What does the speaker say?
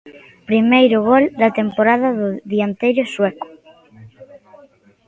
Primeiro gol da temporada do dianteiro sueco.